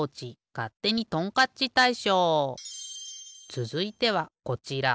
つづいてはこちら。